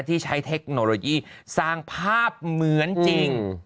ที่ใช้เทคโนโลยีสร้างภาพเหมือนจริง